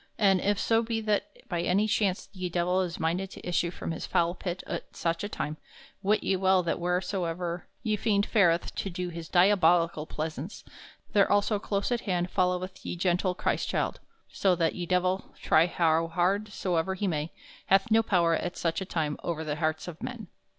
And if so be that by any chance ye Divell is minded to issue from his foul pit at soche a time, wit ye well that wheresoever ye fiend fareth to do his diabolical plaisaunce there also close at hand followeth ye gentle Chrystchilde; so that ye Divell, try how hard soever he may, hath no power at soche a time over the hartes of men.